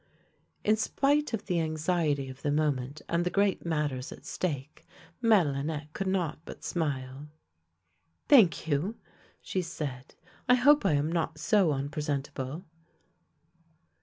In spite of the anxiety of the moment and the great matters at stake, JMadelinette could not but smile. " Thank you," she said, " I hope I am not so unpre sentable!